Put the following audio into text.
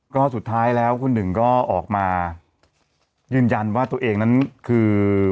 ก็สุดท้ายแล้วคุณหนึ่งก็ออกมายืนยันว่าตัวเองนั้นคือ